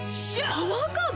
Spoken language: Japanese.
パワーカーブ⁉